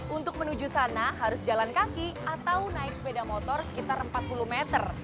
untuk menuju sana harus jalan kaki atau naik sepeda motor sekitar empat puluh meter